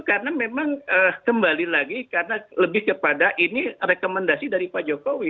karena memang kembali lagi karena lebih kepada ini rekomendasi dari pak jokowi